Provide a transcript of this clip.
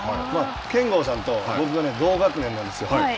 憲剛さんと僕が同学年なんですよ。